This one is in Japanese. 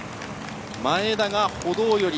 前田が歩道寄り。